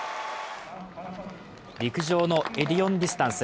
陸上のエディオン・ディスタンス。